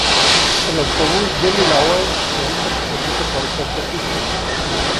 El autobús Delhi-Lahore realiza su servicio por esta autopista.